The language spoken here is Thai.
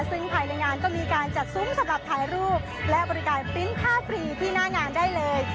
ซึ่งภายในงานก็มีการจัดซุ้มสำหรับถ่ายรูปและบริการปริ้นต์ค่าฟรีที่หน้างานได้เลย